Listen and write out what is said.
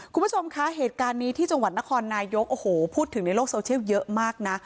คุณผู้ชมคะเหตุการณ์นี้ที่จังหวัดนครนายกโอ้โหพูดถึงในโลกโซเชียลเยอะมากนะ